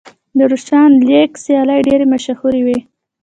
د روشن لیګ سیالۍ ډېرې مشهورې وې.